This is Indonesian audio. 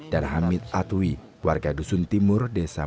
dan hamid atwi warga dusun timur desa